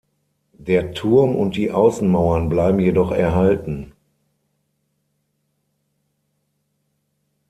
Der Turm und die Außenmauern bleiben jedoch erhalten.